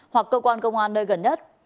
hoặc cơ quan công an nơi gần nhất